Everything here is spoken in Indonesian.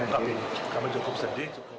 tapi kamu cukup sendiri